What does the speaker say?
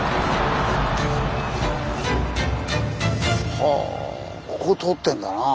はあここ通ってんだなあ。